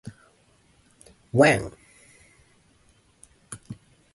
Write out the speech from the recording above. When Goss quit Dimmu Borgir and moved to Sweden, their band formed.